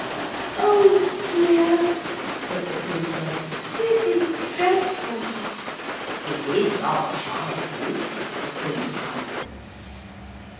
'Oh dear,' said the Princess, 'this is dreadful.' 'It is rather trying,' the Prince answered.